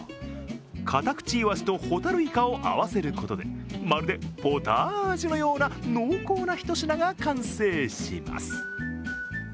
カタクチイワシとホタルイカを合わせることでまるでポタージュのような濃厚なひと品が完成します。